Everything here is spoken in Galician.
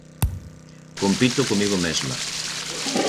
Compito comigo mesma.